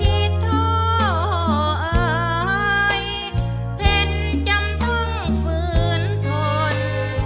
ผิดโทรอายเพิ่งจำต้องฝืนทน